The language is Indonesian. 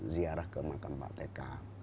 ziarah ke makam pak tk